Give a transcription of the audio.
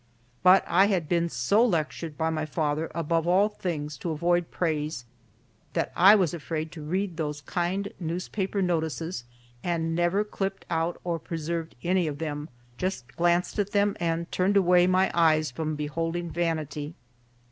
But I had been so lectured by my father above all things to avoid praise that I was afraid to read those kind newspaper notices, and never clipped out or preserved any of them, just glanced at them and turned away my eyes from beholding vanity.